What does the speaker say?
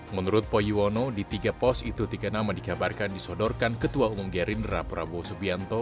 menurut poyuwono di tiga pos itu tiga nama dikabarkan disodorkan ketua umum gerindra prabowo subianto